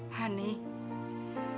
hani sisi ini demam